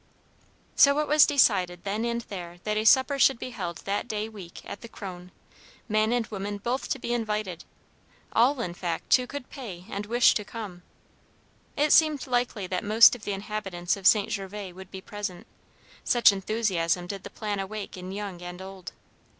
So it was decided then and there that a supper should be held that day week at the Kröne, men and women both to be invited, all, in fact, who could pay and wished to come. It seemed likely that most of the inhabitants of St. Gervas would be present, such enthusiasm did the plan awake in young and old.